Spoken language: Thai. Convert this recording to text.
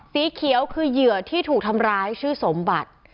สีเขียวคือเหยื่อที่ถูกทำร้ายชื่อสมบัติ